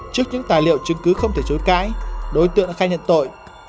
trước những tài liệu chứng cứ không thể chối cãi đối tượng khai nhận tội